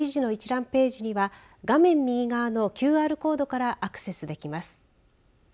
こちらの記事がある特集の一覧ページには画面右側のＱＲコードからアクセスできます。